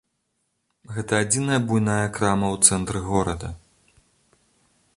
Гэта адзіная буйная крама ў цэнтры гораду.